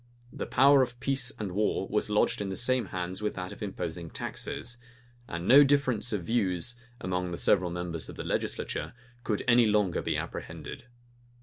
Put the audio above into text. The power of peace and war was lodged in the same hands with that of imposing taxes; and no difference of views, among the several members of the legislature, could any longer be apprehended.